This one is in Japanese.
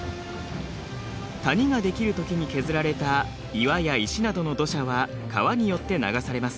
谷が出来るときに削られた岩や石などの土砂は川によって流されます。